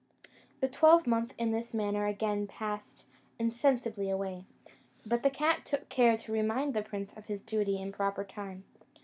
The twelvemonth in this manner again passed insensibly away; but the cat took care to remind the prince of his duty in proper time.